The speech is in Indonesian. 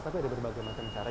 tapi ada berbagai macam cara